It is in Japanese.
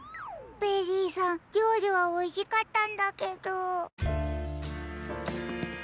ベリーさんりょうりはおいしかったんだけど。